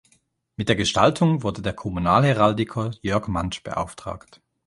Mit der Gestaltung wurde der Kommunalheraldiker Jörg Mantzsch beauftragt.